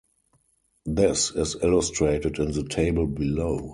This is illustrated in the table below.